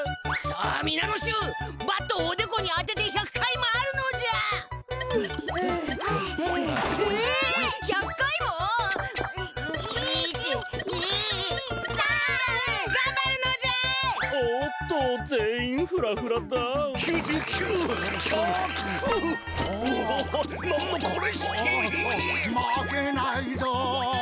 ああ負けないぞ！